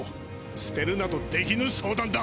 すてるなどできぬ相談だ。